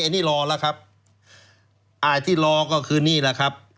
อันนี้รอแล้วครับอ่าที่รอก็คือนี่แหละครับ